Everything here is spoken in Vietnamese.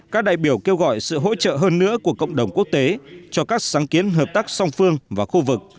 các đại biểu kêu gọi sự hỗ trợ hơn nữa của cộng đồng quốc tế cho các sáng kiến hợp tác song phương và khu vực